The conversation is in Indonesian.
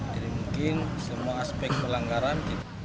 jadi mungkin semua aspek pelanggaran